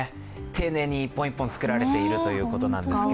丁寧に一本一本作られているということなんです。